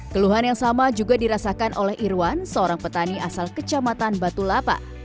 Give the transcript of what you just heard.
keluhan yang sama juga dirasakan oleh irwan seorang petani asal kecamatan batu lapa